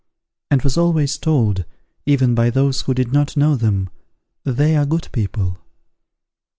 and was always told, even by those who did not know them, "They are good people."